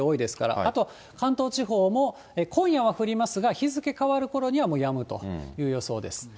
あと関東地方も、今夜は降りますが、日付変わるころにはもうやむという予想です。